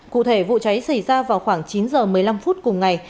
cụ thể vụ cháy xảy ra vào khoảng chín giờ một mươi năm phút cùng ngày